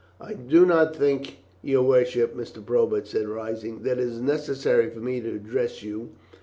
"I do not think, your worships," Mr. Probert said, rising, "that it is necessary for me to address you.